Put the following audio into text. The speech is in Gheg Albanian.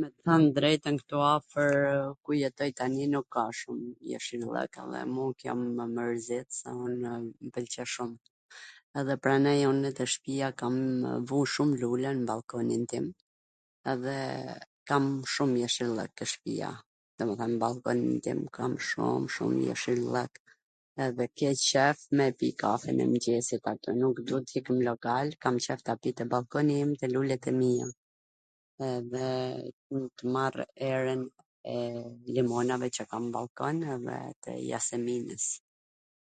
Me than t drejtwn, ktu afwr ku jetoj tani, nuk ka shum jeshillwk, edhe mu kjo mw mwrzit se m pwlqen shum edhe pranaj unw te shpija kam vu shum lule, n ballkonin tim, edhe kam shum jeshillwk te shpija, domethwn nw ballkonin tim kam shum shum jeshillwk, edhe ke qef me e pi kafen e mwngjesit aty, nuk du tw ik nw lokal, kam qef ta pi nw ballkonin tim, te lulet e mia, edhe tw marr erwn e limonave qw kam n ballkon edhe tw jaseminws.